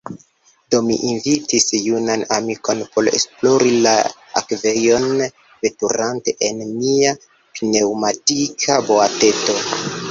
Do, mi invitis junan amikon por esplori la akvejon, veturante en mia pneŭmatika boateto.